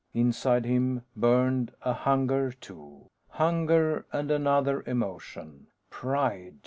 Inside him burned a hunger, too. Hunger, and another emotion pride.